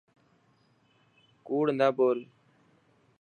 ڪوڙ نه ٻول.